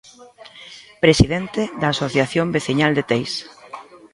Presidente da Asociación Veciñal de Teis.